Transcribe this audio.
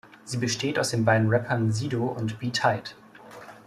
Sie besteht aus den beiden Rappern Sido und B-Tight.